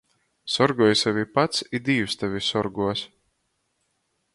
Sorgoj sevi pats, i Dīvs tevi sorguos.